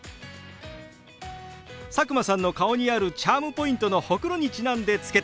佐久間さんの顔にあるチャームポイントのホクロにちなんで付けてみたんですよ。